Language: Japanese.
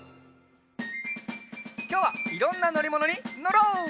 きょうはいろんなのりものにのろう！